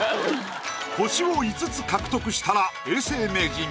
星を５つ獲得したら永世名人。